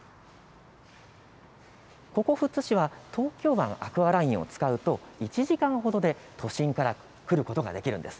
ここ富津市は東京湾アクアラインを使うと１時間ほどで都心から来ることができるんです。